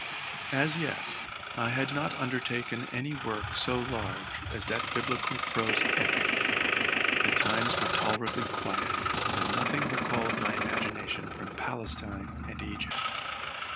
As yet, I had not undertaken any work so large as that viblical prose epic. The times were tolerably quiet, and nothing recalled my imagination from Palestine and Egypt.